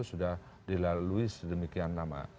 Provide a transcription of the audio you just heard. sudah dilalui sedemikian lama